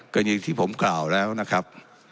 ก็อย่างที่ผมกล่าวแล้วนะครับ